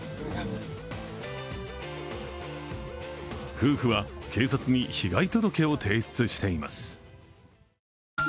夫婦は警察に被害届を提出しています。